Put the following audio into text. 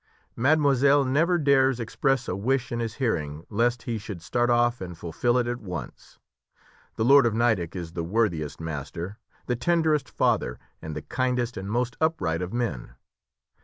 Mademoiselle never dares express a wish in his hearing lest he should start off and fulfil it at once. The lord of Nideck is the worthiest master, the tenderest father, and the kindest and most upright of men.